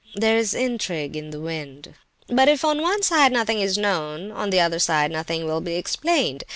There is intrigue in the wind; but if on one side nothing is known, on the other side nothing will be explained.